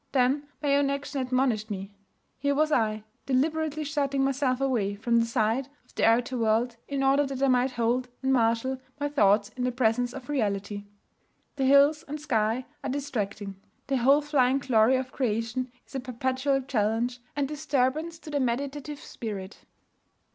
Then my own action admonished me. Here was I, deliberately shutting myself away from the sight of the outer world in order that I might hold and marshal my thoughts in the presence of reality. The hills and sky are distracting; the whole flying glory of creation is a perpetual challenge and disturbance to the meditative spirit.